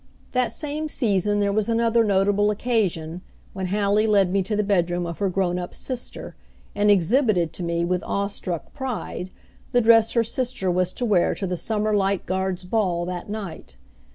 That same season there was another notable occasion, when Hallie led me to the bedroom of her grown up sister, and exhibited to me with awe struck pride the dress her sister was to wear to the Sumner Light Guards' ball that night.